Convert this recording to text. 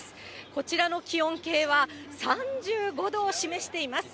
こちらの気温計は、３５度を示しています。